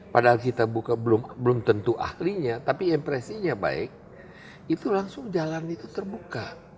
padahal kita buka belum tentu ahlinya tapi impresinya baik itu langsung jalan itu terbuka